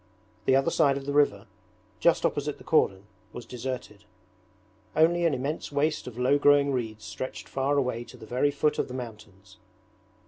The other side of the river, just opposite the cordon, was deserted; only an immense waste of low growing reeds stretched far away to the very foot of the mountains.